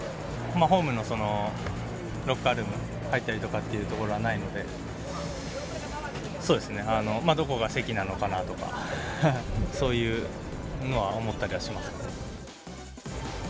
ホームのロッカールーム、入ったりっていうところはないので、そうですね、どこが席なのかなとか、そういうのは思ったりはしますけど。